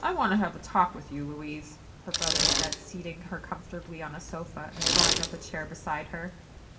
"I want to have a talk with you, Louise," her brother said, seating her comfortably on a sofa and drawing up a chair beside her.